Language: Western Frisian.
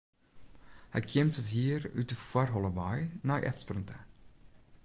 Hy kjimt it hier út de foarholle wei nei efteren ta.